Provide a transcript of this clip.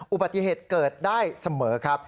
อุบัติเหตุเกิดได้เสมอครับ